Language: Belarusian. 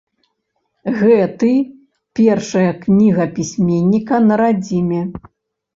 Гэты першая кніга пісьменніка на радзіме.